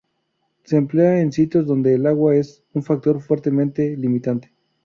Se emplean en sitios donde el agua es un factor fuertemente limitante.